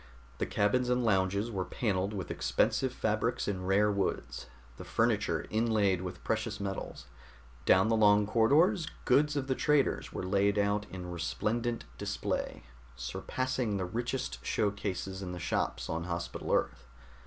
The cabins and lounges were paneled with expensive fabrics and rare woods, the furniture inlaid with precious metals. Down the long corridors goods of the traders were laid out in resplendent display, surpassing the richest show cases in the shops on Hospital Earth.